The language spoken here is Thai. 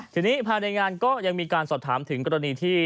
ทีนี้ภายในงานก็ยังมีการสอบถามถึงกรณีที่